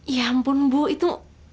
ya ampun bu itu